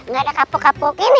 gak ada kapok kapok ini